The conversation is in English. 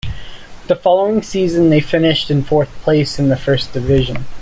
The following season they finished in fourth place in the First Division.